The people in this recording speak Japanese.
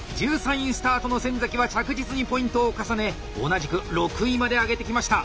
１３位スタートの先は着実にポイントを重ね同じく６位まで上げてきました。